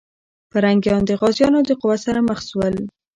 پرنګیان د غازيانو د قوت سره مخ سول.